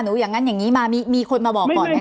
อย่างนั้นอย่างนี้มามีคนมาบอกก่อนไหมค